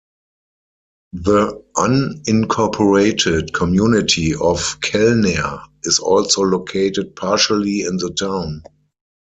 The unincorporated community of Kellner is also located partially in the town.